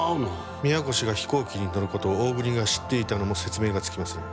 宮越が飛行機に乗る事を大國が知っていたのも説明がつきますね。